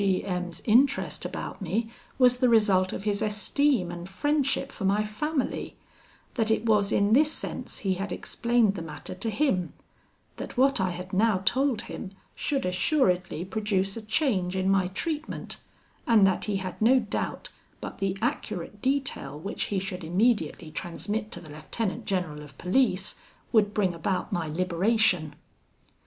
G M 's interest about me was the result of his esteem and friendship for my family; that it was in this sense he had explained the matter to him; that what I had now told him should assuredly produce a change in my treatment, and that he had no doubt but the accurate detail which he should immediately transmit to the lieutenant general of police would bring about my liberation.